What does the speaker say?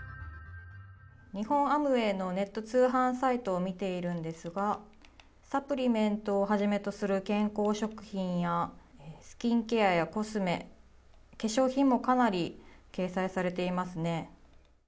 日本アムウェイのネット通販サイトを見ているんですが、サプリメントをはじめとする健康食品や、スキンケアやコスメ、化粧品もかなり掲載されていますね。